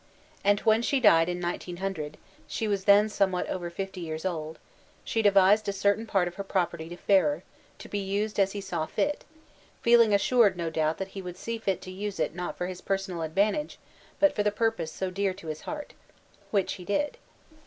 And when she died in 1900 (she was then somewhat over 50 years old) she devised a certain part of her property to Ferrer, to be used as he saw fit, feeling assured no doubt that he would see fit to use it not for his personal advantage, but for the purpose so dear to his heart. Which he did.